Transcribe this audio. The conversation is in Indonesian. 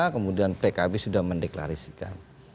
kemudian pkb sudah mendeklarisikan